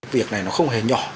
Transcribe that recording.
việc này nó không hề nhỏ